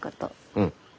うん。